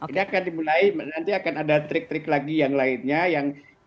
ini akan dimulai nanti akan ada trik trik lagi yang lainnya yang